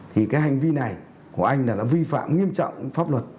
thì cái hành vi này của anh là đã vi phạm nghiêm trọng pháp luật